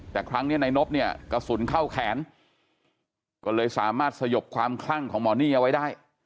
แต่ครั้งนี้นายนบเนี่ยกระสุนเข้าแขนก็เลยสามารถสยบความคลั่งของหมอนี่เอาไว้ได้